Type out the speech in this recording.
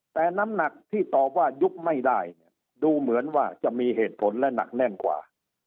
แต่น้ำหนักที่ตอบว่ายุบไม่ได้เนี่ยดูเหมือนว่าจะมีเหตุผลและหนักแน่นกว่า